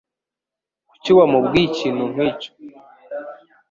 Kuki wamubwiye ikintu nkicyo?